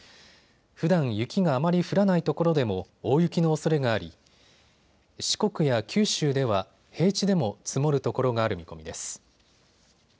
ふだん雪があまり降らないところでも大雪のおそれがあり四国や九州では平地でも積もるところがある見込みです。